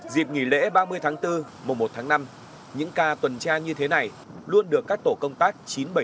dịp nghỉ lễ ba mươi tháng bốn mùa một tháng năm những ca tuần tra như thế này luôn được các tổ công tác chín trăm bảy mươi chín